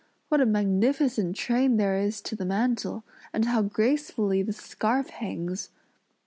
What a magnificent train there is to the mantle; and how gracefully the scarf hangs!"